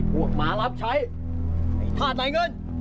หมารับใช้ไอ้ธาตุไหนเงิน